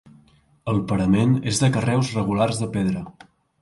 El parament és de carreus regulars de pedra.